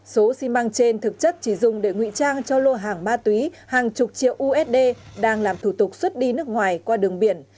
số xi măng trên thực chất chỉ dùng để ngụy trang cho lô hàng ma túy hàng chục triệu usd đang làm thủ tục xuất đi nước ngoài qua đường biển